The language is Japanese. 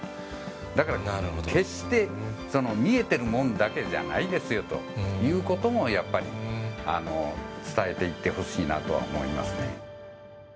だから、決して見えてるもんだけじゃないですよということも、やっぱり伝えていってほしいなとは思いますね。